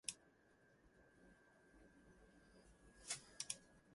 Taruffi had averaged before he retired.